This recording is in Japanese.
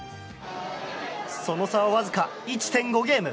その差はわずか１．５ゲーム。